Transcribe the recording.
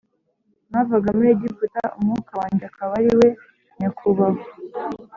mwavaga muri Egiputa Umwuka wanjye akaba ari we nyakubahwa